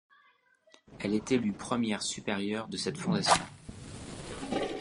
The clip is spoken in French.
Elle est élue première supérieure de cette fondation.